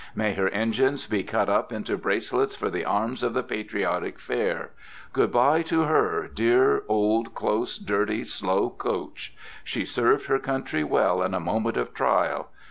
may her engines be cut up into bracelets for the arms of the patriotic fair! good bye to her, dear old, close, dirty, slow coach! She served her country well in a moment of trial.